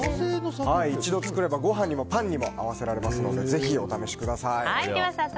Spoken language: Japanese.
一度作ればご飯にもパンにも合わせられますのでぜひお試しください。